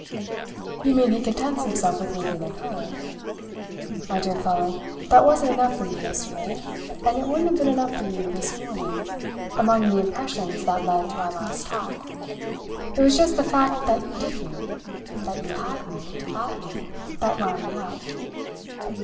"You mean he contents himself with winking at her? My dear fellow, that wasn't enough for you yesterday, and it wouldn't have been enough for you this morning, among the impressions that led to our last talk. It was just the fact that you did wink, that you had winked, at me that wound me up."